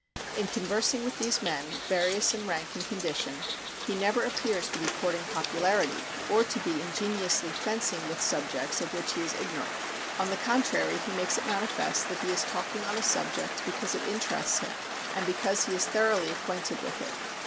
In conversing with these men, various in rank and condition, he never appears to be courting popularity, or to be ingeniously fencing with subjects of which he is ignorant. On the contrary, he makes it manifest that he is talking on a subject because it interests him and because he is thoroughly acquainted with it.